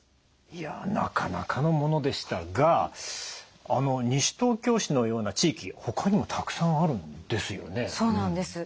いやなかなかのものでしたが西東京市のような地域ほかにもたくさんあるんですよね。